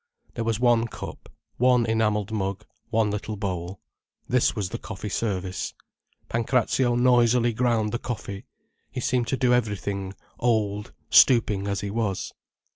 There was one cup, one enamelled mug, one little bowl. This was the coffee service. Pancrazio noisily ground the coffee. He seemed to do everything, old, stooping as he was.